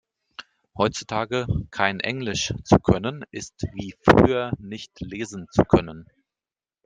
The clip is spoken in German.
Heutzutage kein Englisch zu können ist wie früher nicht lesen zu können.